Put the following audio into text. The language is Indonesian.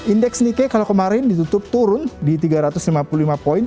indeks nike kalau kemarin ditutup turun di tiga ratus lima puluh lima poin